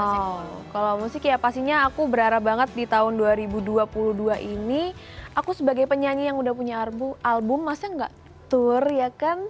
wow kalau musik ya pastinya aku berharap banget di tahun dua ribu dua puluh dua ini aku sebagai penyanyi yang udah punya album masa gak tour ya kan